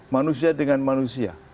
manusia dengan manusia